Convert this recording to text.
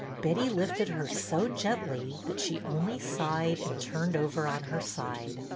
Betty lifted her so gently that she only sighed and turned over on her side.